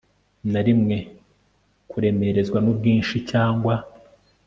na rimwe kuremerezwa nubwinshi cyangwa